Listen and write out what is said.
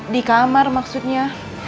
di kamar maksudnya